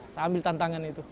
saya ambil tantangan itu